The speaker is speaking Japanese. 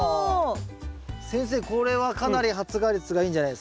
先生これはかなり発芽率がいいんじゃないですか？